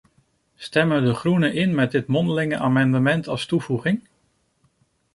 Stemmen de groenen in met dit mondeling amendement als toevoeging?